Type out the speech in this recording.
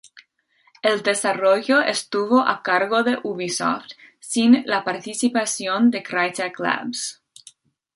El desarrollo estuvo a cargo de Ubisoft, sin la participación de Crytek Labs.